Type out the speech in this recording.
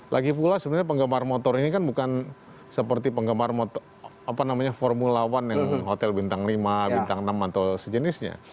lagi pula sebenarnya penggemar motor ini kan bukan seperti penggemar motor formula one yang hotel bintang lima bintang enam atau sejenisnya